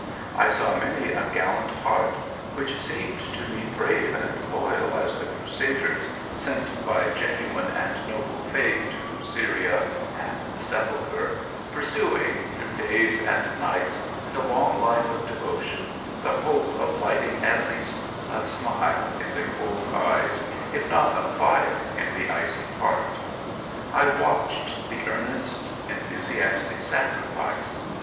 I saw many a gallant heart, which seemed to me brave and loyal as the crusaders sent by genuine and noble faith to Syria and the sepulchre, pursuing, through days and nights, and a long life of devotion, the hope of lighting at least a smile in the cold eyes, if not a fire in the icy heart. I watched the earnest, enthusiastic sacrifice.